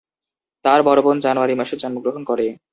তার বড় বোন জানুয়ারি মাসে জন্মগ্রহণ করে।